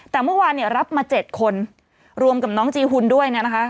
แต่เมื่อวานเนี่ยรับมา๗คนรวมกับน้องจีหุ่นด้วยเนี่ยนะคะ